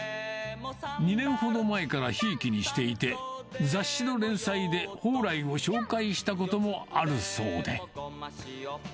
２年ほど前からひいきにしていて、雑誌の連載で宝来を紹介したこともあるそうで。